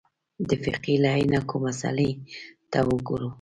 د فقهې له عینکو مسألې ته وګورو.